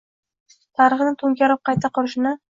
Tarixni to’nkarib qayta qurishni.